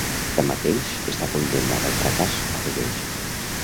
Tanmateix, està condemnada al fracàs, afegeix.